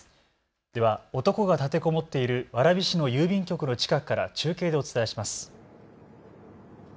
では男が立てこもっている蕨市の郵便局の近くから中継でお伝えします。